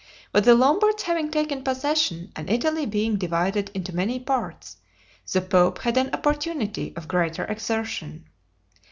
But the Lombards having taken possession, and Italy being divided into many parts, the pope had an opportunity of greater exertion.